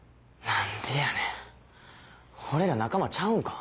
何でやねん俺ら仲間ちゃうんか？